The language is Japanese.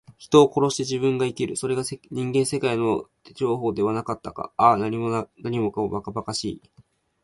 人を殺して自分が生きる。それが人間世界の定法ではなかったか。ああ、何もかも、ばかばかしい。